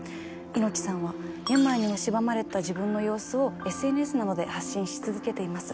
猪木さんは病にむしばまれた自分の様子をＳＮＳなどで発信し続けています。